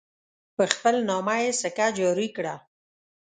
په خپل نامه یې سکه جاري کړه.